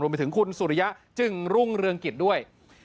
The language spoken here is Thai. ไปถึงคุณสุริยะจึงรุ่งเรืองกิจด้วย